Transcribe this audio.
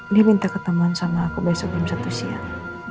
dia minta ketemuan sama aku besok jam satu siang